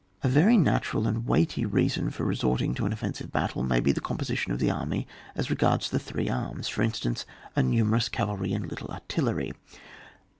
A very natural and weighty reason for resorting to an offensive battle may be the composition of the army as re gards the three arms, for instance, a numerous cavalry and little artillery.